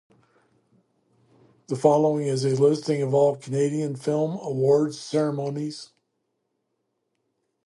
The following is a listing of all Canadian Film Awards Ceremonies.